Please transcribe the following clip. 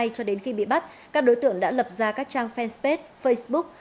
cho đến khi bị bắt các đối tượng đã lập ra các trang fanpage facebook